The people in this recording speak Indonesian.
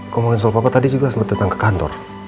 kau mau ngasih tahu papa tadi juga sempat datang ke kantor